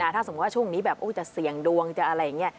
ถ้าสมมุติว่าช่วงนี้แบบจะเสี่ยงดวงจะอะไรอย่างนี้